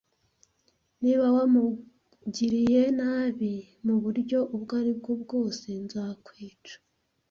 Niba wamugiriye nabi muburyo ubwo aribwo bwose, nzakwica.